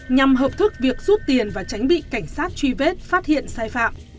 nhằm hợp thức việc rút tiền và tránh bị cảnh sát truy vết phát hiện sai phạm